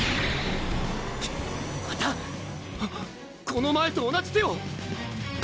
この前と同じ手を！